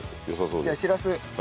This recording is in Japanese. じゃあしらす。